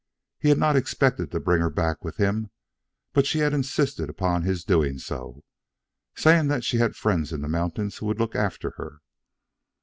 He had not expected to bring her back with him, but she had insisted upon his doing so, saying that she had friends in the mountains who would look after her.